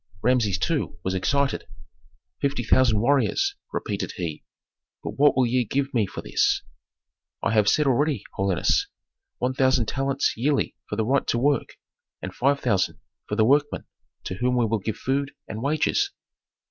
Rameses, too, was excited. "Fifty thousand warriors," repeated he. "But what will ye give me for this?" "I have said already, holiness. One thousand talents yearly for the right to work, and five thousand for the workmen, to whom we will give food and wages."